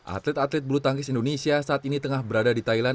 atlet atlet bulu tangkis indonesia saat ini tengah berada di thailand